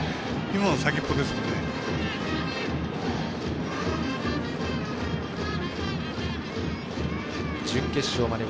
今の先っぽですもんね。